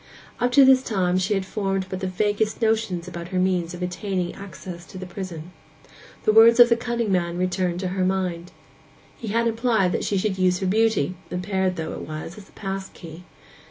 Up to this time she had formed but the vaguest notions about her means of obtaining access to the prison. The words of the cunning man returned to her mind. He had implied that she should use her beauty, impaired though it was, as a pass key.